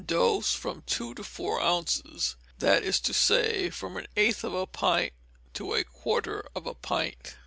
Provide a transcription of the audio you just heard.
Dose, from two to four ounces, that is to say, from an eighth of a pint to a quarter of a pint.